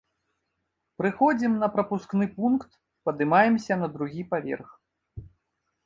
Прыходзім на прапускны пункт, падымаемся на другі паверх.